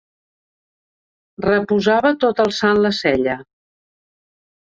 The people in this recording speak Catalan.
Reposava tot alçant la cella.